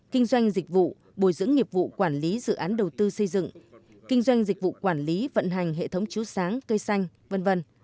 kinh doanh dịch vụ bồi dưỡng nghiệp vụ quản lý dự án đầu tư xây dựng kinh doanh dịch vụ quản lý vận hành hệ thống chiếu sáng cây xanh v v